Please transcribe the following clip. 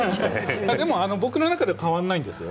でも僕の中では変わらないんですよ